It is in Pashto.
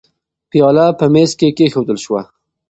پیاله په مېز کې کېښودل شوه.